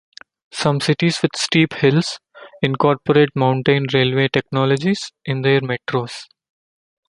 Some cities with steep hills incorporate mountain railway technologies in their metros.